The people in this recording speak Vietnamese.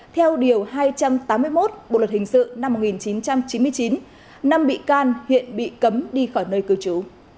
theo điều hai trăm tám mươi một bộ luật hình sự năm một nghìn chín trăm chín mươi chín năm bị can hiện bị cấm đi khỏi nơi cư trú